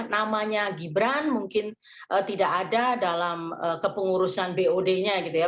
namanya gibran mungkin tidak ada dalam kepengurusan bod nya gitu ya